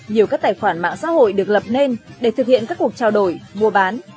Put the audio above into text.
nhiều các tài khoản mạng xã hội được lập nên để thực hiện các cuộc trao đổi mua bán